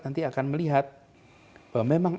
nanti akan melihat bahwa memang